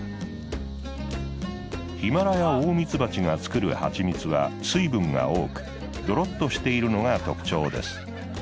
ヒマラヤオオミツバチが作る蜂蜜は水分が多くドロっとしているのが特徴です。